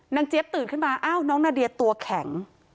เจี๊ยบตื่นขึ้นมาอ้าวน้องนาเดียตัวแข็ง